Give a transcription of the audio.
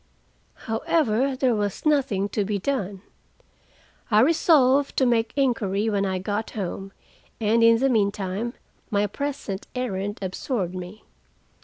However, there was nothing to be done. I resolved to make inquiry when I got home, and in the meantime, my present errand absorbed me.